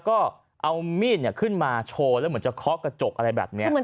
ก็เอามีดขึ้นมาโชว์แล้วเหมือนจะเคาะกระจกอะไรแบบนี้